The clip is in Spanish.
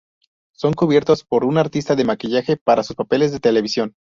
Son cubiertos por un artista de maquillaje para sus papeles de televisión.